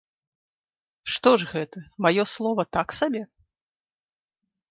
Што ж гэта, маё слова так сабе?